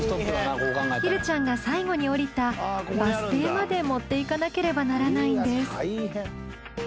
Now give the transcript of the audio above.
ひるちゃんが最後に降りたバス停まで持っていかなければならないんです。